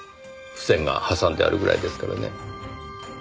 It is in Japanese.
付箋が挟んであるぐらいですからね。